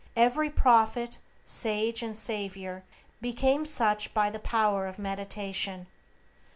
Every prophet, sage, and savior became such by the power of meditation.